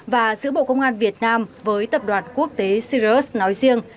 và giữa bộ công an việt nam với tập đoàn quốc tế sirius nói riêng